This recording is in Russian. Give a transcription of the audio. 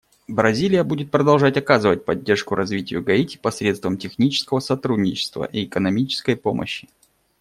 Бразилия будет продолжать оказывать поддержку развитию Гаити посредством технического сотрудничества и экономической помощи.